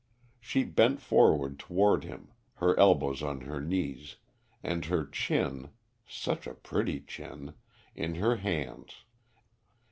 She bent forward toward him, her elbows on her knees, and her chin such a pretty chin! in her hands.